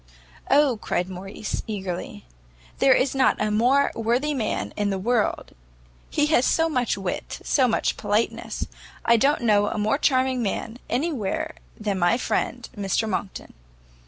"O," cried Morrice, eagerly, "there is not a more worthy man in the world! he has so much wit, so much politeness! I don't know a more charming man anywhere than my friend Mr Monckton."